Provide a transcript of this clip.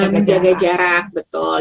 menjaga jarak betul